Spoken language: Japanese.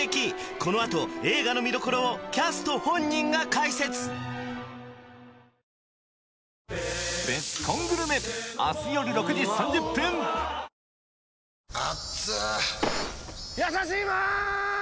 このあと映画の見どころをキャスト本人が解説やさしいマーン！！